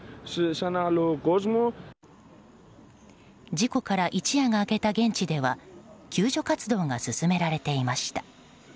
事故から一夜が明けた現地では救助活動が進められていました。